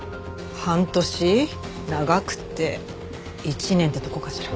半年長くて１年ってとこかしら。